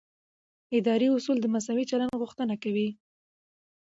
اداري اصول د مساوي چلند غوښتنه کوي.